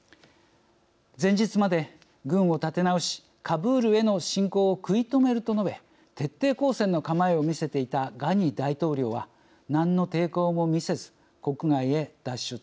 前日まで軍を立て直しカブールへの侵攻を食い止めると述べ徹底抗戦の構えを見せていたガニ大統領は何の抵抗も見せず国外へ脱出。